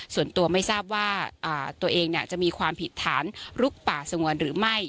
ส่วนตัวไม่ทราบว่าตัวเองจะมีความผิดฐานลุกป่าสงวนหรือไม่